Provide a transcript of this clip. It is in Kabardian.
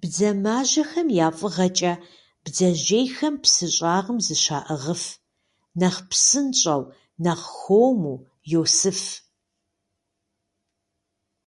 Бдзэмажьэхэм я фӏыгъэкӏэ бдзэжьейхэм псы щӏагъым зыщаӏыгъыф, нэхъ псынщӏэу, нэхъ хуэму йосыф.